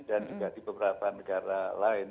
dan juga di beberapa negara lain